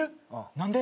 何で？